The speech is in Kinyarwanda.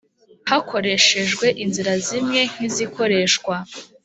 Hakoreshejwe inzira zimwe nk izikoreshwa